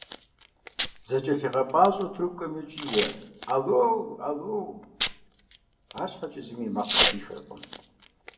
ЗэкIэлъигъэпIащIэу трубкэм йокIие: «Алло! Алло!» АрщхьэкIэ зыми и макъ зэхихыркъым.